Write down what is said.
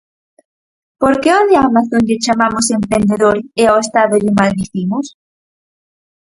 Por que ao de Amazon lle chamamos emprendedor e ao Estado lle maldicimos?